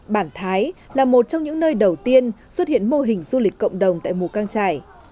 bản thái là một trong những nơi đầu tiên xuất hiện mô hình du lịch cộng đồng tại mù căng trải